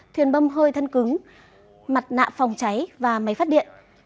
thuyền bâm hơi thân cứng mặt nạ phòng cháy và máy phát điện